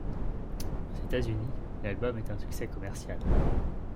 Aux États-Unis, l'album est un succès commercial.